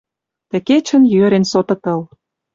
Тӹ кечӹн йӧрен соты тыл.